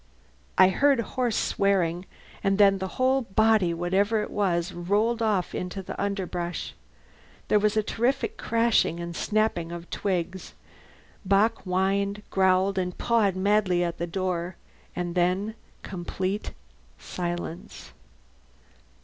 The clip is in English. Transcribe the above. I heard hoarse swearing, and then the whole body, whatever it was, rolled off into the underbrush. There was a terrific crashing and snapping of twigs. Bock whined, growled, and pawed madly at the door. And then complete silence.